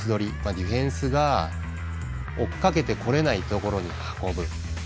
ディフェンスが追っかけてこれないところに運ぶ。